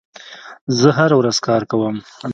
زه هره ورځ کار کوم.